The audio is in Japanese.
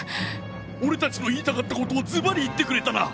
「俺たちの言いたかったことをずばり言ってくれたな」。